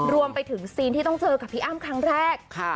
รวมไปถึงซีนที่ต้องเจอกับพี่อ้ำครั้งแรก